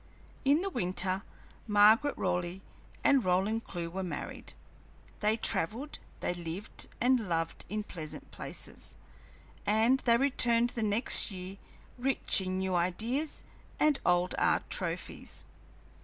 In the winter, Margaret Raleigh and Roland Clewe were married. They travelled; they lived and loved in pleasant places; and they returned the next year rich in new ideas and old art trophies.